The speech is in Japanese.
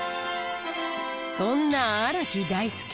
そんな荒木大輔。